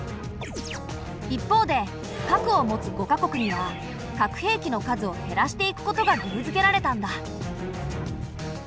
一方で核を持つ５か国には核兵器の数を減らしていくことが義務づけられたんだ。